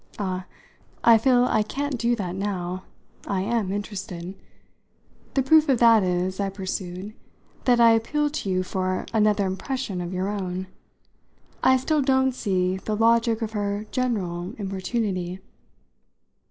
"Ah, I feel I can't do that now. I am interested. The proof of that is," I pursued, "that I appeal to you for another impression of your own. I still don't see the logic of her general importunity."